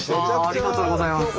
ありがとうございます。